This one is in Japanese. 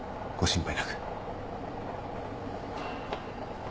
ご心配なく。